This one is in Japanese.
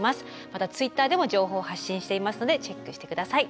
またＴｗｉｔｔｅｒでも情報を発信していますのでチェックして下さい。